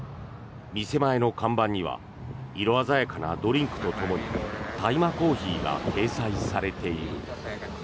店前の看板には色鮮やかなドリンクとともに大麻コーヒーが掲載されている。